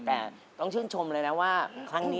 แต่ต้องชื่นชมเลยนะว่าครั้งนี้